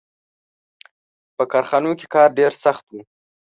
• په کارخانو کې کار ډېر سخت و.